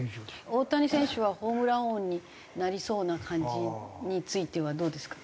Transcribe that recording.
大谷選手はホームラン王になりそうな感じについてはどうですか？